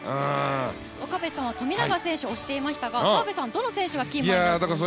岡部さんは富永選手を推してましたが澤部さん、どの選手がキーマンになると思います？